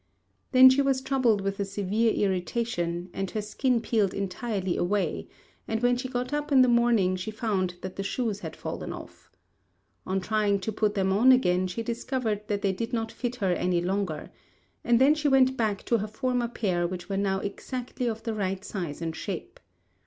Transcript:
Then she was troubled with a severe irritation, and her skin peeled entirely away; and when she got up in the morning, she found that the shoes had fallen off. On trying to put them on again, she discovered that they did not fit her any longer; and then she went back to her former pair which were now exactly of the right size and shape.